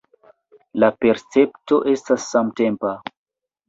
La percepto estas samtempa.